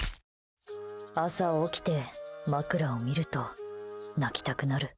朝起きて、枕を見ると泣きたくなる。